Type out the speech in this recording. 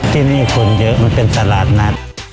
ที่นี่อีกคนเยอะมันเป็นสาราดนะ